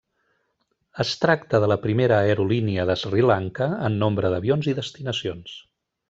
Es tracta de la primera aerolínia de Sri Lanka en nombre d'avions i destinacions.